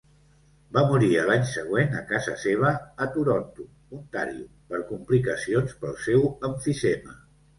Va morir a l'any següent a casa seva, a Toronto, Ontario, per complicacions pel seu emfisema.